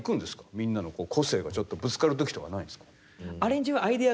みんなの個性がちょっとぶつかる時とかないんですか？